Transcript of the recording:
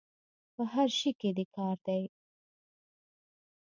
په هر شي دي کار دی.